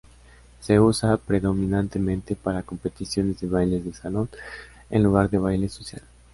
Se usa predominantemente para competiciones de bailes de salón en lugar de baile social.